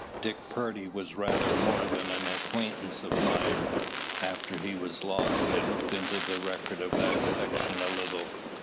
"Dick Purdy was rather more than an acquaintance of mine. After he was lost I looked into the record of that section a little.